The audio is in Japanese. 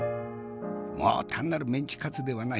もう単なるメンチカツではない。